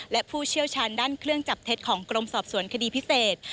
และผู้เชี่ยวชาญด้านเครื่องจับเท็จของกรมสอบสวนคดีพิเศษ